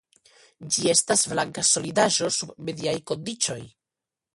Ĝi estas blanka solidaĵo sub mediaj kondiĉoj.